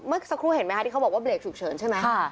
สักครู่เห็นไหมคะที่เขาบอกว่าเบรกฉุกเฉินใช่ไหม